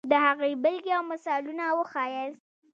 د هغې بېلګې او مثالونه وښیاست.